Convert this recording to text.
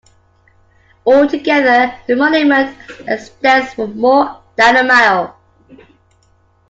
Altogether, the monument extends for more than a mile.